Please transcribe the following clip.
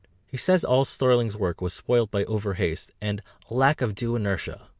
He says that all Sterling's work was spoilt by over haste, and "a lack of due inertia."